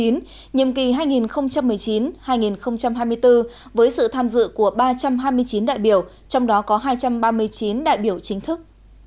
nhiệm kỳ hai nghìn một mươi chín hai nghìn hai mươi bốn với sự tham dự của ba trăm hai mươi chín đại biểu trong đó có hai trăm ba mươi chín đại biểu chính thức